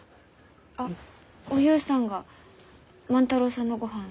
あっおゆうさんが万太郎さんのごはん